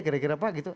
kira kira pak gitu